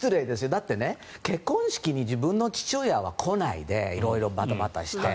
だって結婚式に自分の父親は来ないで色々バタバタして。